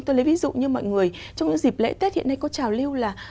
tôi lấy ví dụ như mọi người trong những dịp lễ tết hiện nay có trào lưu là